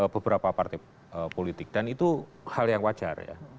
beberapa partai politik dan itu hal yang wajar ya